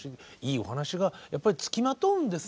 いいお話がやっぱり付きまとうんですね。